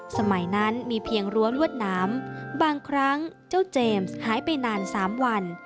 สมัยนั้นมีเพียงรั้วลวดน้ำบางครั้งเจ้าเจมส์หายไปนาน๓วัน